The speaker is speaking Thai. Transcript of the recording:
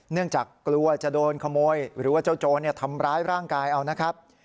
เนื่องจากกลัวจะโดนขโมยหรือว่าเจ้าโจรทำร้ายร่างกายเอานะครับ